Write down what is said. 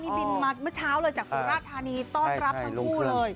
นี่บินมาเมื่อเช้าเลยจากสุราธานีต้อนรับทั้งคู่เลย